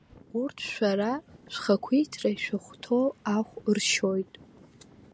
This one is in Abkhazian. Урҭ шәара шәхақәиҭра ишахәҭоу ахә ршьоит.